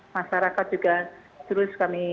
masyarakat juga terus kami